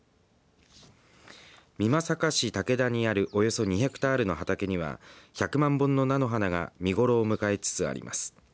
美作市竹田にあるおよそ２ヘクタールの畑には１００万本の菜の花が見頃を迎えつつあります。